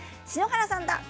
篠原さんだ。